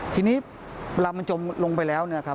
ที่นี้เวลามันจมลงไปแล้ว